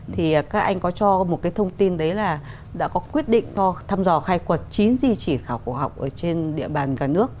thì các anh có cho một cái thông tin đấy là đã có quyết định cho thăm dò khai quật chín di chỉ khảo cổ học ở trên địa bàn cả nước